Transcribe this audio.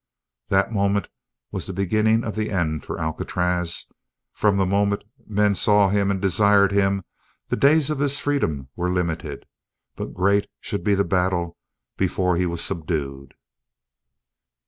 That moment was the beginning of the end for Alcatraz. From the moment men saw him and desired him the days of his freedom were limited; but great should be the battle before he was subdued!